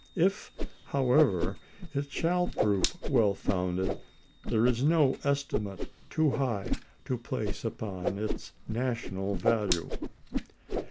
If, how ever, it shall prove well founded, there is no estimate too high to place upon its national value.